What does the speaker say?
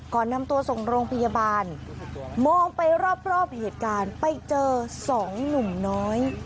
ก่อนนำตัวส่งโรงพยาบาลมองไปรอบเหตุการณ์ไปเจอสองหนุ่มน้อย